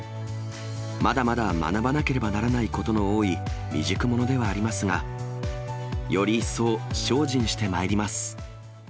まだまだ学ばなければならないことの多い未熟者ではありますが、より一層精進してまいります。